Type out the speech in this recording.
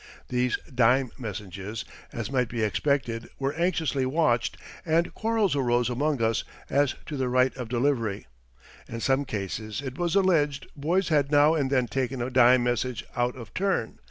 These "dime messages," as might be expected, were anxiously watched, and quarrels arose among us as to the right of delivery. In some cases it was alleged boys had now and then taken a dime message out of turn.